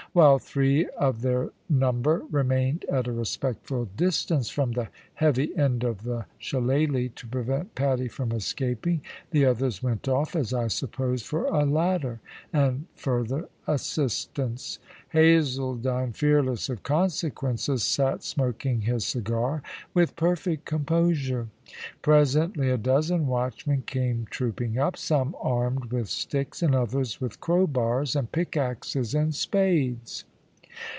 While three of their number remained at a respectful distance from the heavy end of the shillaly to prevent Paddy from escaping, the others went off, as I supposed, for a ladder and further assistance. Hazledine, fearless of consequences, sat smoking his cigar with perfect composure. Presently a dozen watchmen came trooping up, some armed with sticks and others with crow bars and pick axes and spades.